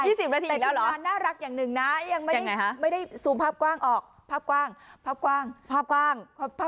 ยี่สิบนาทีอีกแล้วเหรอยังไงฮะภาพกว้างภาพกว้างภาพกว้างภาพกว้าง